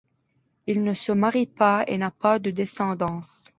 Il ne se marie pas et n’a pas de descendance.